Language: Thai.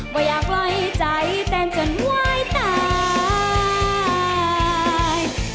ว่าอยากปล่อยให้ใจเต็นจนไหว้ตาย